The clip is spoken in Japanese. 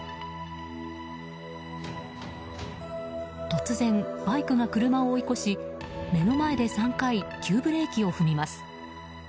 突然、バイクが車を追い越し目の前で３回急ブレーキを踏みます。